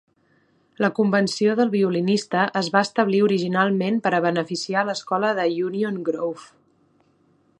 La Convenció del violinista es va establir originalment per a beneficiar a l'escola de Union Grove.